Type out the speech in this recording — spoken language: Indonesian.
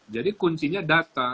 jadi kuncinya data